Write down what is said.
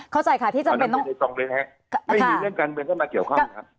ขออธิบายตรงนะครับไม่มีเรื่องการเมืองต้องมาเกี่ยวข้อมูลครับ